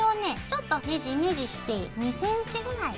ちょっとネジネジして２ｃｍぐらい。